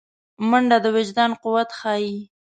منډه د وجدان قوت ښيي